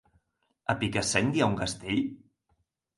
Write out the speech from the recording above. A Picassent hi ha un castell?